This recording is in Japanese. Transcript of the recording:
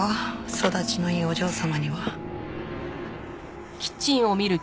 育ちのいいお嬢様には。